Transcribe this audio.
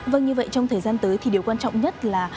vâng như vậy trong thời gian tới thì điều quan trọng nhất là